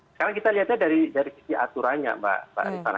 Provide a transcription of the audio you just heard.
sekarang kita lihatnya dari sisi aturannya mbak rifana